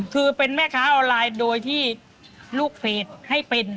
คือเป็นแม่ค้าออนไลน์โดยที่ลูกเพจให้เป็น